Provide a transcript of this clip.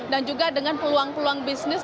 dan juga dengan peluang peluang bisnis